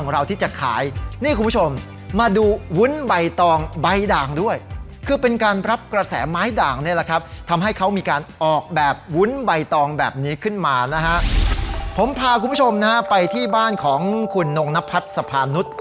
ผมพาคุณผู้ชมนะฮะไปที่บ้านของคุณนงนพัฒน์สภานุษย์